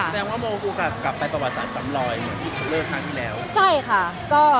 แสดงว่าโมกลับไปประวัติศาสตร์สำรอยที่เขาเลิกครั้งที่แล้ว